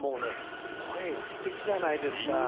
声がすてきじゃないですか。